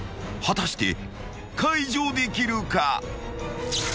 ［果たして解除できるか？］